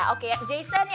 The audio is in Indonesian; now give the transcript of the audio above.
oke yang mana dulu ya